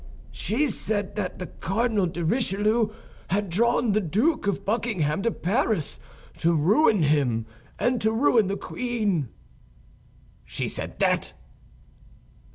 "She said that the Cardinal de Richelieu had drawn the Duke of Buckingham to Paris to ruin him and to ruin the queen." "She said that?"